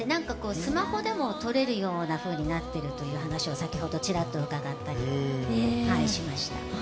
スマホでも撮れるようになっているという話を先ほど、ちらっと伺ったりしました。